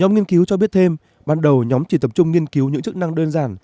nhóm nghiên cứu cho biết thêm ban đầu nhóm chỉ tập trung nghiên cứu những chức năng đơn giản